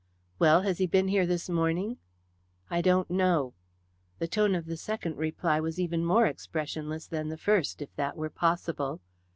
"Well, has he been here this morning?" "I don't know." The tone of the second reply was even more expressionless than the first, if that were possible.